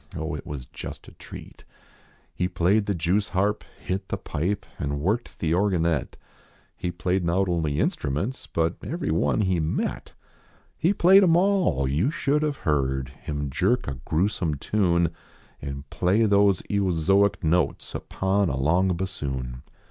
Oh, it was just a treat, lie played the jevvsharp, hit the pipe, And worked the organette ; He played not only instruments, But everyone he met. He played em all ; you should have heard Him jerk a grewsome tune And play those eozoic notes Upon a long bassoon.